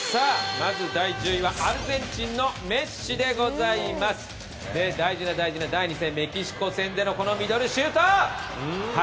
まず１０位はアルゼンチンのメッシでございます大事な大事な第２戦メキシコ戦でのこのミドルシュート。